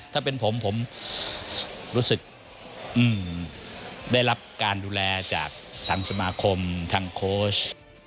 ถ้าเป็นผมผมรู้สึกได้รับการดูแลจากทางสมาคมทางโค้ช